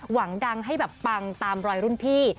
หวังดังให้แบบปังตามรอยรุ่นพี่